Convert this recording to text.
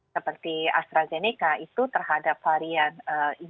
seperti astrazeneca itu terhadap varian india